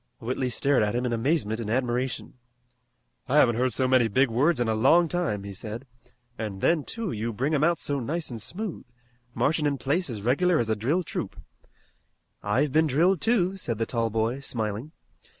Whitley stared at him in amazement and admiration. "I haven't heard so many big words in a long time," he said, "an' then, too, you bring 'em out so nice an' smooth, marchin' in place as regular as a drilled troop." "I've been drilled too," said the tall boy, smiling.